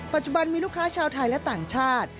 ปัจจุบันมีลูกค้าชาวไทยและต่างชาติ